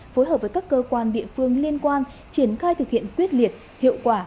phối hợp với các cơ quan địa phương liên quan triển khai thực hiện quyết liệt hiệu quả